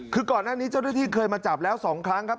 คือก่อนหน้านี้เจ้าหน้าที่เคยมาจับแล้ว๒ครั้งครับ